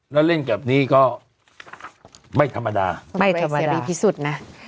แล้วเล่นแบบนี้ก็ไม่ธรรมดาไม่ธรรมดาไม่พิสุทธิ์นะ